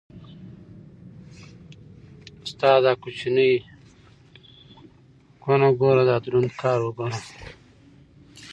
ستا دا کوچنۍ کونه ګوره دا دروند کار وګوره.